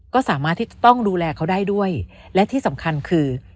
ก็สามารถที่จะต้องดูแลเขาได้ด้วยและที่สำคัญคือ